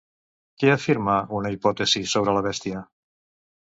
Què afirma una hipòtesi sobre la bèstia?